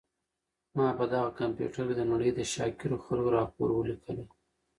ما په دغه کمپیوټر کي د نړۍ د شاکرو خلکو راپور ولیکلی.